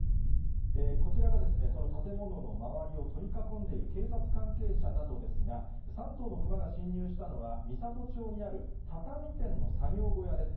こちらがその建物の周りを取り囲んでいる警察関係者などですが、３頭のクマが侵入したのは、美郷町にある畳店の作業小屋です。